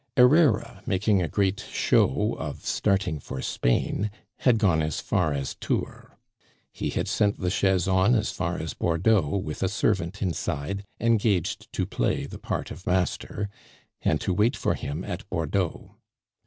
Herrera, making a great show of starting for Spain, had gone as far as Tours. He had sent the chaise on as far as Bordeaux, with a servant inside, engaged to play the part of master, and to wait for him at Bordeaux.